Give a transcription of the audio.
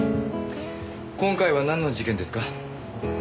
今回はなんの事件ですか？